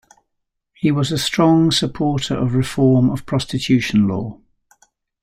He was a strong supporter of reform of prostitution law.